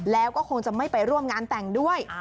แล้วก็คงจะไม่ไปร่วมงานแต่งด้วย